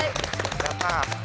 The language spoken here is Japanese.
やった！